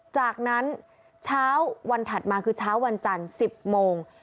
จากนั้นเช้าวันถัดมาคือเช้าวันจันทร์๑๐โมง